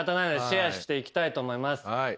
シェアしていきたいと思います。